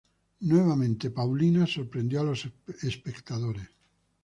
Nuevamente Paulina sorprendió a los espectadores.